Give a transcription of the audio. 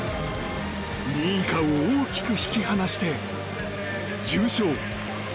２位以下を大きく引き離して優勝。